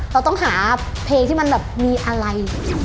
เราต้องหาเพลงที่มันแบบมีอะไร